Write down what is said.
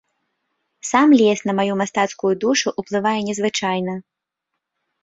Сам лес на маю мастацкую душу ўплывае незвычайна.